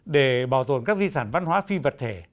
để bảo tồn các di sản văn hóa phi vật thể